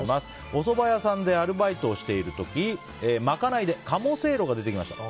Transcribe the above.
おそば屋さんでアルバイトをしている時賄いで鴨せいろが出てきました。